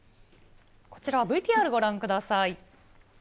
こちらはＶＴＲご覧ください。